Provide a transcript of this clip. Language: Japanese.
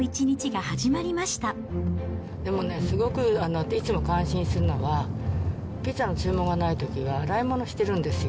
でもね、すごいなっていつも感心するのは、ピザの注文がないときは洗い物してるんですよ。